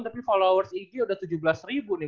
tapi followers ig udah tujuh belas ribu nih